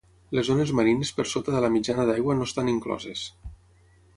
Les zones marines per sota de la mitjana d'aigua no estan incloses.